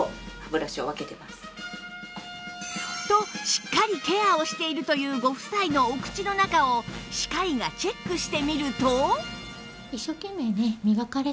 しっかりケアをしているというご夫妻のお口の中を歯科医がチェックしてみると